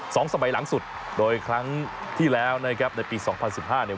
สองสมัยหลังสุดโดยครั้งที่แล้วนะครับในปีสองพันสิบห้าเนี่ย